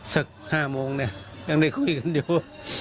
สัก๕โมงเนี่ยยังได้คุยกันอยู่